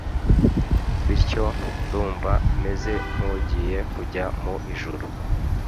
bityo ndumva meze nk’ugiye kujya mu ijuru